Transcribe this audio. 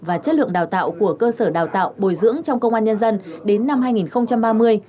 và chất lượng đào tạo của cơ sở đào tạo bồi dưỡng trong công an nhân dân đến năm hai nghìn ba mươi